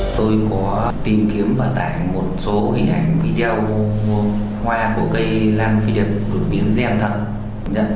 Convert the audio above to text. tôi có tìm kiếm và tải một số hình ảnh video hoa của cây lan phi đẹp đột biến gem thật